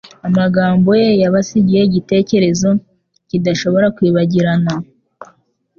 Amagambo ye yabasigiye igitekerezo kidashobora kwibagirana.